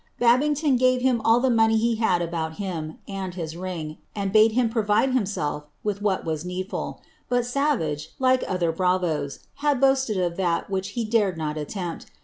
Babington gave him all tlic money he had about him, and his nafy, and bade him provide himself with what waa needful,' but Savage, lin other bravoes, had boasted ''*'—'"'•■ 'i he dared not allempl.